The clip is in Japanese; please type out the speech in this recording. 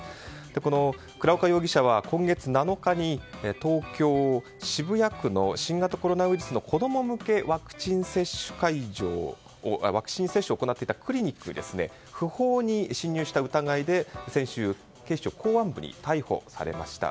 この倉岡容疑者は今月７日に東京・渋谷区の新型コロナウイルスの子供向けワクチン接種を行っていたクリニックに不法に侵入した疑いで先週、警視庁公安部に逮捕されました。